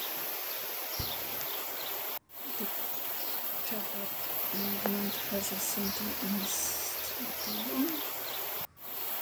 The Chabad movement has a centre in Strathavon.